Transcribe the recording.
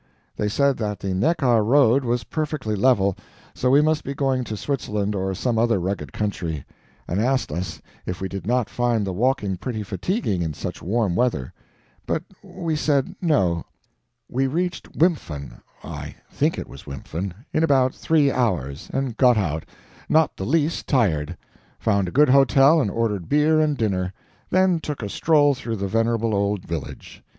They said that the Neckar road was perfectly level, so we must be going to Switzerland or some other rugged country; and asked us if we did not find the walking pretty fatiguing in such warm weather. But we said no. We reached Wimpfen I think it was Wimpfen in about three hours, and got out, not the least tired; found a good hotel and ordered beer and dinner then took a stroll through the venerable old village.